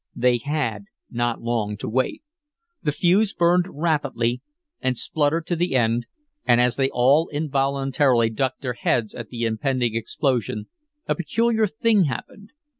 They had not long to wait. The fuse burned rapidly and spluttered to the end, and as they all involuntarily ducked their heads at the impending explosion, a peculiar thing happened.